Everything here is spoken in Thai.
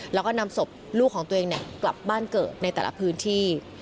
แล้วก็นำศพลูกของตัวเองกลับบ้านเกิดในแต่ละพื้นที่